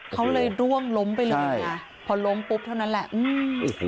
เขาเลยร่วงล้มไปเลยไงพอล้มปุ๊บเท่านั้นแหละอืมโอ้โห